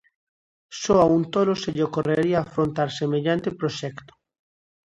Só a un tolo se lle ocorrería afrontar semellante proxecto.